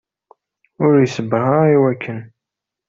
Ur iṣebber ara i wakken.